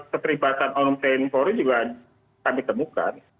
keterlibatan onum tni polri juga kami temukan